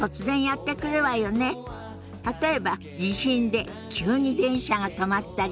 例えば地震で急に電車が止まったり。